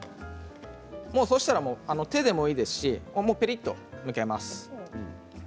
そうしたら手でもいいですしぺりっとむけます。